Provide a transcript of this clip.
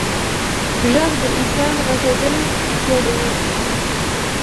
غږ د انسان غږېدل جوړوي.